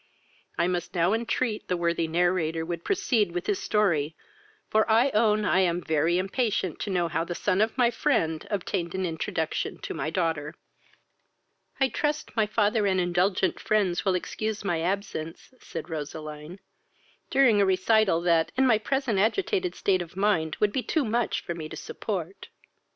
I must now entreat, the worthy narrator would proceed with his story, for I own I am very impatient to know how the son of my friend obtained an introduction to my daughter." "I trust, my father and indulgent friends will excuse my absence, (said Roseline,) during a recital, that, in my present agitated state of mind, would be too much for me to support."